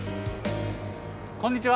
こんにちは。